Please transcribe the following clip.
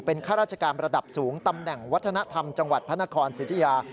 เป็นข้าราชการระดับสูงตำแหน่งวัฒนธรรมจังหวัดพศิริยา